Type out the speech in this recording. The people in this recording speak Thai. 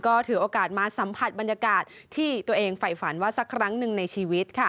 ก็ถือโอกาสมาสัมผัสบรรยากาศที่ตัวเองฝ่ายฝันว่าสักครั้งหนึ่งในชีวิตค่ะ